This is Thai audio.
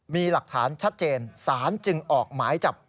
มีหลักฐานชัดเจนสารจึงออกหมายจับ